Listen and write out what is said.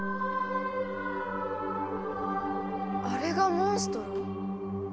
あれがモンストロ？